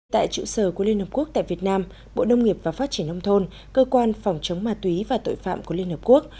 tại trụ sở của liên hợp quốc tại việt nam bộ nông nghiệp và phát triển nông thôn cơ quan phòng chống ma túy và tội phạm của liên hợp quốc